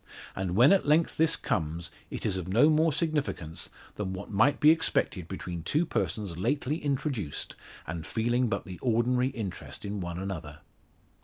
And when at length this comes, it is of no more significance than what might be expected between two persons lately introduced, and feeling but the ordinary interest in one another!